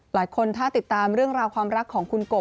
หลายคนถ้าติดตามเรื่องราวความรัก